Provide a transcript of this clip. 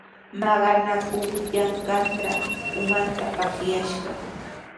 Maqanakuyanqantraw umanta pakiyashqa.